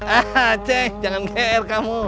ah aceh jangan nge air kamu